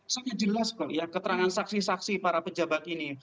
sangat jelas kok ya keterangan saksi saksi para pejabat ini